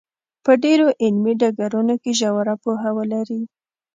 په ډېرو علمي ډګرونو کې ژوره پوهه ولري.